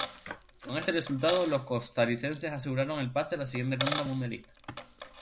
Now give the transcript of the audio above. Con este resultado, los costarricenses aseguraron el pase a la siguiente ronda mundialista.